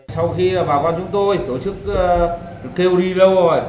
sau khi bà con chúng tôi tổ chức kêu đi lâu rồi